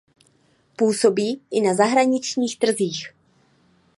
Působí i na zahraničních trzích.